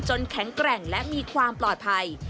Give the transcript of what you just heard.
แข็งแกร่งและมีความปลอดภัย